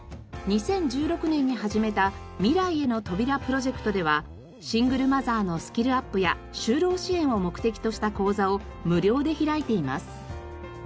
２０１６年に始めた「未来への扉」プロジェクトではシングルマザーのスキルアップや就労支援を目的とした講座を無料で開いています。